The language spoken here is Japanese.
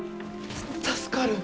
助かる！